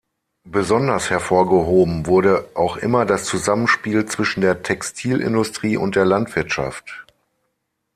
Besonders hervorgehoben wurde auch immer das Zusammenspiel zwischen der Textilindustrie und der Landwirtschaft.